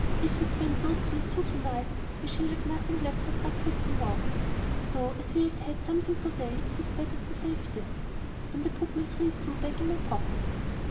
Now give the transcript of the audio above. If we spend those three sous to night, we shall have nothing left for breakfast to morrow. So, as we have had something to day, it is better to save this." And I put my three sous back in my pocket.